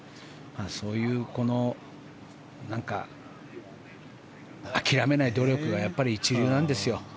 そういう諦めない努力が一流なんですよ。